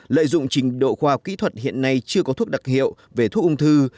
lợi dụng trình độ khoa học kỹ thuật hiện nay chưa có thuốc đặc hiệu về thuốc ung thư